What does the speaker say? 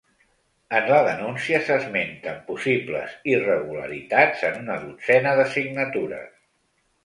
En la denúncia s’esmenten possibles irregularitats en una dotzena de signatures.